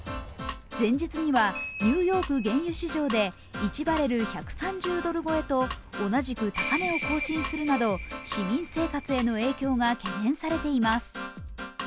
前日にはニューヨーク原油市場で１バレル＝１３０ドル超えと同じく高値を更新するなど市民生活への影響が懸念されています。